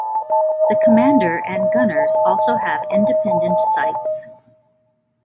The commander and gunners also have independent sights.